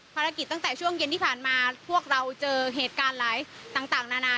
ภารกิจตั้งแต่ช่วงเย็นที่ผ่านมาพวกเราเจอเหตุการณ์หลายต่างนานา